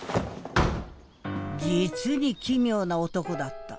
実に奇妙な男だった。